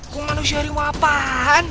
kuku manusia harimau apaan